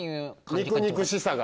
肉々しさが。